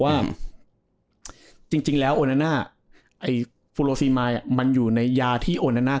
ว่าจริงแล้วโอนาน่าไอ้ฟูโลซีมายมันอยู่ในยาที่โอนาน่า